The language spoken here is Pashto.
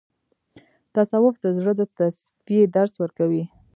تصوف د زړه د تصفیې درس ورکوي.